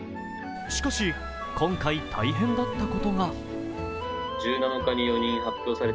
しかし、今回大変だったことが。